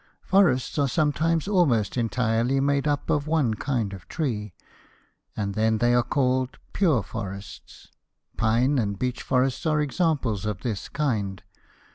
Forests are sometimes almost entirely made up of one kind of tree, and then they are called "pure forests." Pine and beech forests are examples of this kind.